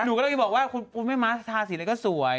หนูกำลังจะบอกว่าคุณแม่มัสทาสีอะไรก็สวย